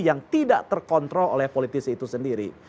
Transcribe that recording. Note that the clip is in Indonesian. yang tidak terkontrol oleh politisi itu sendiri